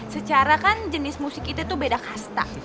secara kan jenis musik itu beda kasta